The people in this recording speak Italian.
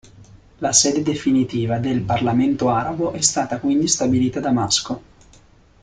La sede definitiva del Parlamento arabo è stata quindi stabilita a Damasco.